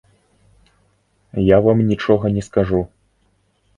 Я вам нічога не скажу.